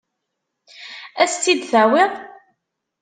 Ad as-tt-id-tawiḍ?